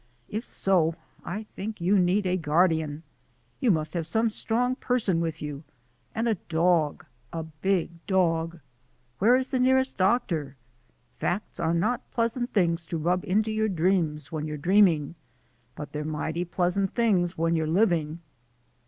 If so, I think you need a guardian. You must have some strong person with you, and a dog, a big dog. Where is the nearest doctor? Facts are not pleasant things to rub into your dreams when you're dreaming, but they're mighty pleasant things when you're living."